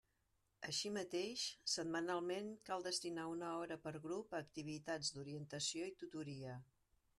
Així mateix, setmanalment cal destinar una hora per grup a activitats d'orientació i tutoria.